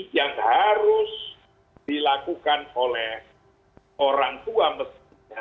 yang harus dilakukan oleh orang tua mestinya